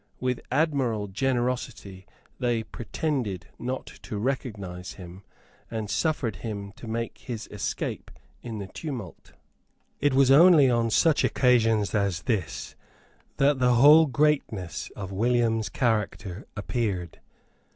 With admirable generosity they pretended not to recognise him, and suffered him to make his escape in the tumult. It was only on such occasions as this that the whole greatness of William's character appeared.